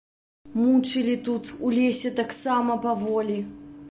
Мучылі тут у лесе таксама паволі.